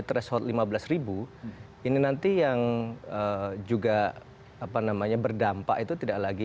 threshold lima belas ribu ini nanti yang juga apa namanya berdampak itu tidak lagi